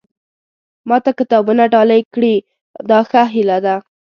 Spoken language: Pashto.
ما ته کتابونه ډالۍ کړي دا ښه هیله ده.